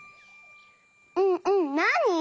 うんうんなに？